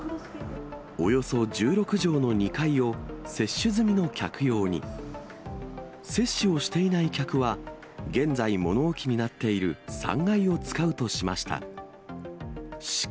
およそ１６畳の２階を接種済みの客用に、接種をしていない客は、現在、物置になっている３階を使うとしました。